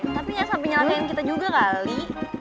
tapi nyasap nyelenggeng kita juga kali